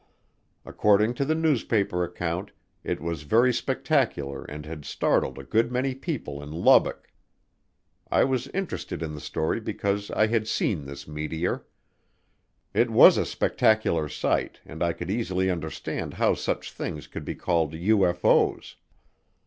According to the newspaper account, it was very spectacular and had startled a good many people in Lubbock. I was interested in the story because I had seen this meteor. It was a spectacular sight and I could easily understand how such things could be called UFO's.